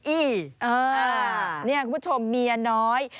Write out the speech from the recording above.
เนี่ยคุณผู้ชมเมียน้อย